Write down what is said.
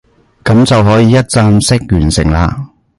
噉就可以一站式完成啦